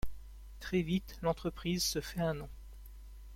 Très vite l'entreprise se fait un nom.